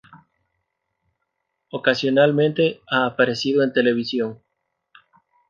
Ocasionalmente ha aparecido en televisión.